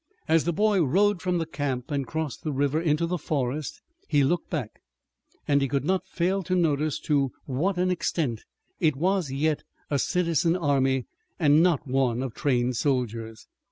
As the boy rode from the camp and crossed the river into the forest he looked back, and he could not fail to notice to what an extent it was yet a citizen army, and not one of trained soldiers.